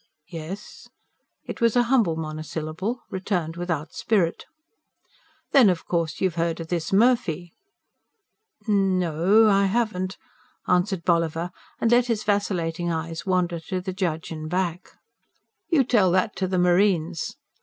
"Yes." It was a humble monosyllable, returned without spirit. "Then of course you've heard of this Murphy?" "N ... no, I haven't," answered Bolliver, and let his vacillating eyes wander to the judge and back. "You tell that to the marines!"